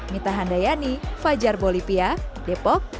mita handayani fajar bolivia depok